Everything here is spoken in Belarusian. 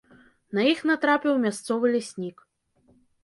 На іх натрапіў мясцовы ляснік.